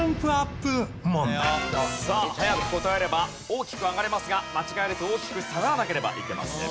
さあ早く答えれば大きく上がれますが間違えると大きく下がらなければいけません。